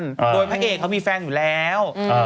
โดยพระเอกเขามีแฟนอยู่แล้ว